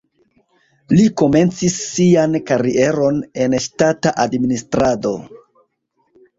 Li komencis sian karieron en ŝtata administrado.